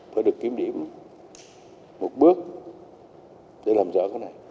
phải được kiểm điểm một bước để làm rõ cái này